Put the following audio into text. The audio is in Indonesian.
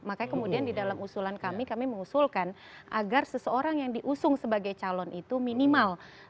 makanya kemudian di dalam usulan kami kami mengusulkan agar seseorang yang diusung sebagai calon itu minimal